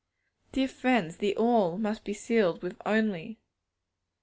Dear friends, the 'all' must be sealed with 'only.'